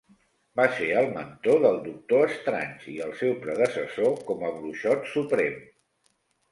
Va ser el mentor del Doctor Strange i el seu predecessor com a Bruixot Suprem.